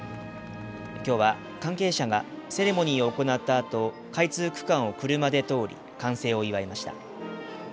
きょうは関係者がセレモニーを行ったあと開通区間を車で通り完成を祝いました。